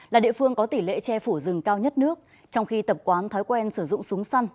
là địa phương có tỷ lệ che phủ rừng cao nhất nước trong khi tập quán thói quen sử dụng súng săn